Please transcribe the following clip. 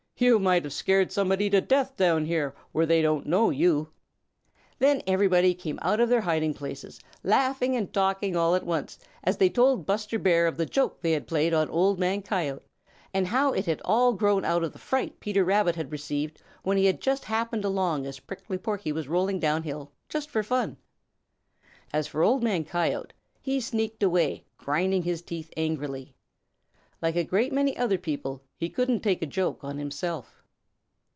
"You might have scared somebody to death down here where they don't know you." Then everybody came out of their hiding places, laughing and talking all at once, as they told Buster Bear of the joke they had played on Old Man Coyote, and how it had all grown out of the fright Peter Rabbit had received when he just happened along as Prickly Porky was rolling down hill just for fun. As for Old Man Coyote, he sneaked away, grinding his teeth angrily. Like a great many other people, he couldn't take a joke on himself.